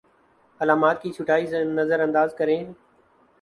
علامات کی چھٹائی نظرانداز کریں